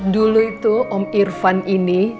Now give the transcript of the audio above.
dulu itu om irfan ini